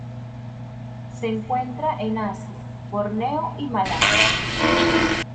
Se encuentran en Asia: Borneo y Malasia.